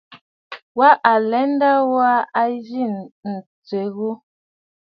Wa alɛ nda ŋû aa a zi tsiʼì yù.